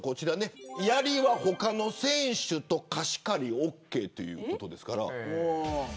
やりは他の選手と、貸し借りがオーケーということですから。